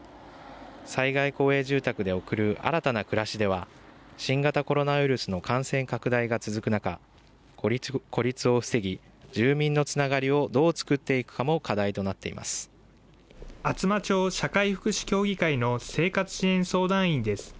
災害公営住宅で送る新たな暮らしでは、新型コロナウイルスの感染拡大が続く中、孤立を防ぎ、住民のつながりをどう作っていくかも厚真町社会福祉協議会の生活支援相談員です。